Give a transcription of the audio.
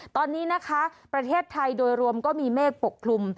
ตอนนี้นะคะประเทศไทยโดยรวมก็มีเมฆปกคลุม